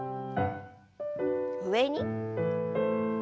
上に。